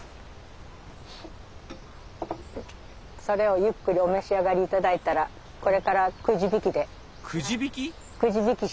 それをゆっくりお召し上がり頂いたらこれからくじ引きで。